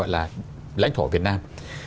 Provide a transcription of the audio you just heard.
là lãnh thổ việt nam